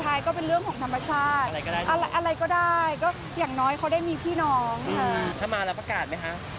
หมายถึงว่าอยากให้ระยะอายุของลูกทั้งสองคน